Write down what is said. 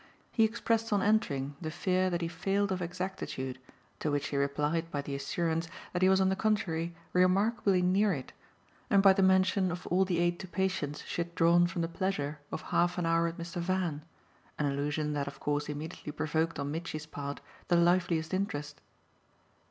He expressed on entering the fear that he failed of exactitude, to which she replied by the assurance that he was on the contrary remarkably near it and by the mention of all the aid to patience she had drawn from the pleasure of half an hour with Mr. Van an allusion that of course immediately provoked on Mitchy's part the liveliest interest.